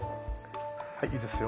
はいいいですよ。